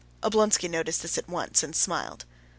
Oblonsky noticed this at once, and smiled.